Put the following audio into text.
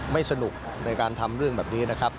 ไม่สนุกในการทำเรื่องแบบนี้นะครับ